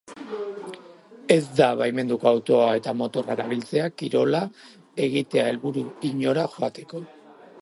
Ez da baimenduko autoa eta motorra erabiltzea kirola egitea helburu inora joateko.